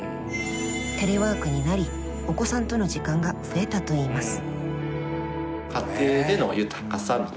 テレワークになりお子さんとの時間が増えたといいます。